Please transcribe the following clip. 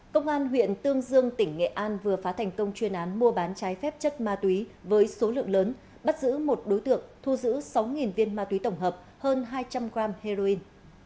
công an huyện tương dương tỉnh nghệ an vừa phá thành công chuyên án mua bán trái phép chất ma túy với số lượng lớn bắt giữ một đối tượng thu giữ sáu viên ma túy tổng hợp hơn hai trăm linh g heroin